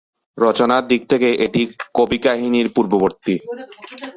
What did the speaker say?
রচনার দিক থেকে এটি কবি-কাহিনীর পূর্ববর্তী।